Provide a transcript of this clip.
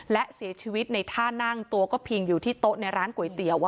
และเสียชีวิตในท่านั่งตัวก็พิงอยู่ที่โต๊ะในร้านก๋วยเตี๋ยว